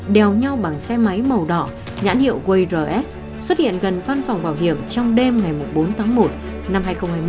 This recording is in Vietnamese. đeo nhau bằng xe máy màu đỏ nhãn hiệu wayrs xuất hiện gần văn phòng bảo hiểm trong đêm ngày một mươi bốn tháng một năm hai nghìn hai mươi một